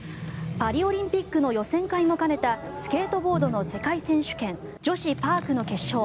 パリオリンピックの予選会も兼ねたスケートボードの世界選手権女子パークの決勝。